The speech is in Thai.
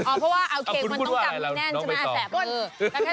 เพราะว่าเอาเคมแล้วต้องกลับหน่อยแน่นใช่ไหมแสบมือ